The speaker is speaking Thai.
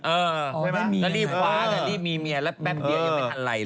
เออนาฬีฟ้านาฬีมีเมียแล้วแป๊บเดียวยังไม่ทันอะไรเลย